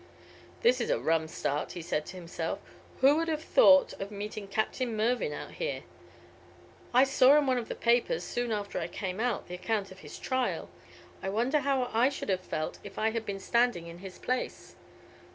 "This is a rum start," he said to himself. "Who would have thought of meeting Captain Mervyn out here? I saw in one of the papers, soon after I came out, the account of his trial. I wonder how I should have felt if I had been standing in his place?